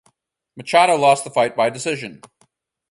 Machado lost the fight by decision.